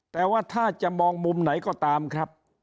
แต่ว่าถ้าจะมองมุมไหนก็ตามครับ